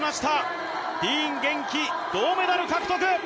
ディーン元気、銅メダル獲得！